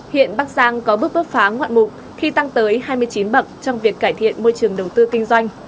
hiện bắc giang có bước bứt phá ngoạn mục khi tăng tới hai mươi chín bậc trong việc cải thiện môi trường đầu tư kinh doanh